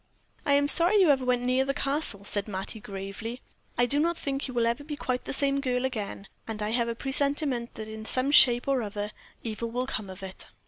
"I am sorry you ever went near the Castle," said Mattie, gravely. "I do not think you will ever be quite the same girl again, and I have a presentiment that in some shape or other evil will come of it."